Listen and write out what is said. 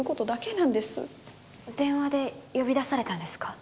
電話で呼び出されたんですか？